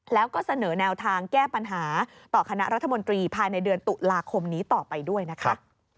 แล้วก็เสนอแนวทางแก้ปัญหาต่อคณะรัฐมนตรีภายในเดือนตุลาคมนี้ต่อไปด้วยนะคะ